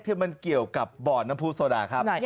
ที่มันเกี่ยวกับบ่อนน้ำผู้โซดาครับ